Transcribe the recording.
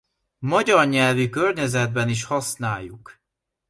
Magyar nyelvi környezetben is használjuk.